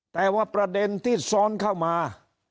แต่ว่าประเด็นที่ซ้อนเข้ามา